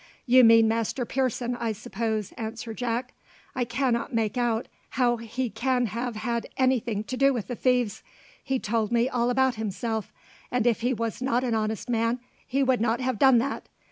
"You mean Master Pearson, I suppose," answered Jack. "I cannot make out how he can have had any thing to do with the thieves. He told me all about himself; and if he was not an honest man, he would not have done that.